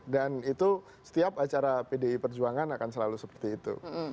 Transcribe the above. dan itu setiap acara pdi perjuangan akan selalu seperti itu